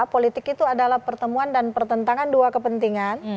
politik itu adalah pertemuan dan pertentangan dua kepentingan